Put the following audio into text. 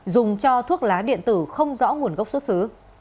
dùng cho thuốc lá điện tử không rõ nguồn gốc xuất xứ